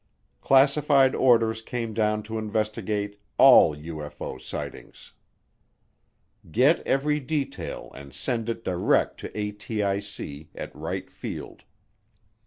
Classified orders came down to investigate all UFO sightings. Get every detail and send it direct to ATIC at Wright Field.